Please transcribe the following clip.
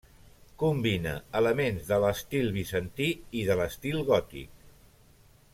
Combina elements de l'estil bizantí i de l'estil gòtic.